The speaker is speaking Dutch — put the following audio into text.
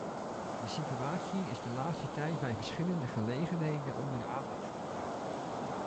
De situatie is de laatste tijd bij verschillende gelegenheden onder de aandacht gebracht.